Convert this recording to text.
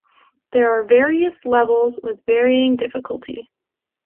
There are various levels with varying difficulty.